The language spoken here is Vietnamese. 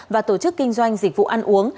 và tổ chức kinh doanh dịch vụ ăn uống